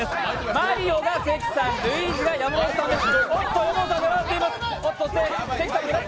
マリオが関さん、ルイージが山本さんです。